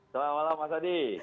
selamat malam mas adi